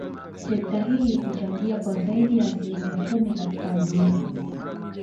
Sekta hii huchangia kwa zaidi ya asilimia kumi katika ajira